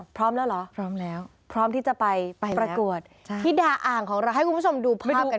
พร้อมแล้วเหรอพร้อมที่จะไปประกวดพิดาอ่างของเราให้คุณผู้ชมดูภาพกันก่อน